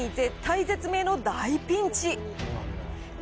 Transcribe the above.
まさに絶体絶命の大ピンチ。